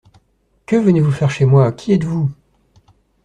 Que venez-vous faire chez moi? Qui êtes-vous ?